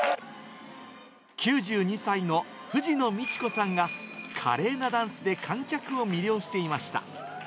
９２歳の藤野道子さんが、華麗なダンスで観客を魅了していました。